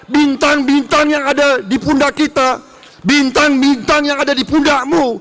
bintang bintang yang ada di pundak kita bintang bintang yang ada di pundakmu